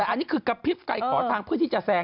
อันนี้คือกลับคลิบไขประโค้อทางเพื่อที่จะแซง